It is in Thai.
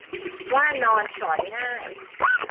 ว่านอนสอนง่าย